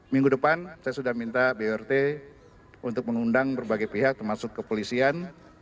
minggu depan saya sudah minta brt untuk mengundang berbagai pihak termasuk kepolisian